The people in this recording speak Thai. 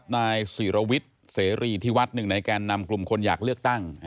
นายศิรวิทย์เสรีที่วัดหนึ่งในแกนนำกลุ่มคนอยากเลือกตั้ง